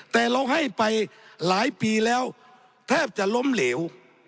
แต่เราให้ไปหลายปีแล้วแทบจะล้มเหลว